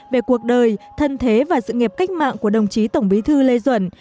về cuộc đời thân thế và sự nghiệp cách mạng của đồng chí tổng bí thư lê duẩn